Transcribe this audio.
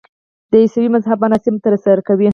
د عیسوي مذهب مراسم ترسره کوي.